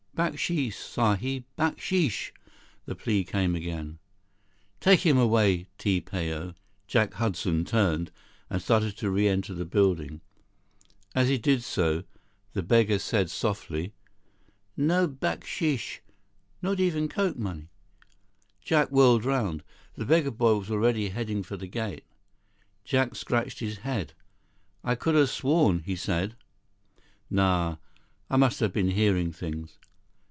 "Baksheesh, Sahib! Baksheesh." The plea came again. "Take him away, Ti Pao." Jack Hudson turned, and started to reenter the building. As he did so, the beggar said softly, "No baksheesh? Not even Coke money?" Jack whirled around. The beggar boy was already heading for the gate. Jack scratched his head. "I could have sworn he said— Nah! I must have been hearing things.